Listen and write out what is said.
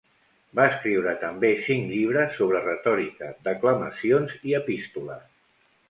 Va escriure també cinc llibres sobre retòrica, declamacions i epístoles.